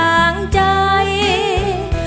รักเธอค่ะรักเธอค่ะ